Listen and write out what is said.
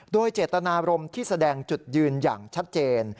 โดยเจตนารมณ์ที่แสดงจุดยืนอย่างชัดเจน